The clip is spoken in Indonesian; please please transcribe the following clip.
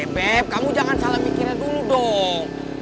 nah beb beb kamu jangan salah mikirnya dulu dong